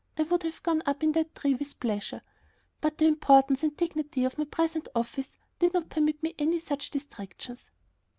I would have gone up that tree with pleasure, but the importance and dignity of my present office did not permit me any such distractions.